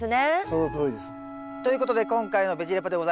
そのとおりです。ということで今回の「ベジ・レポ」でございます。